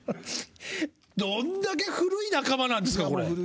どんだけ古い仲間なんですかこれ。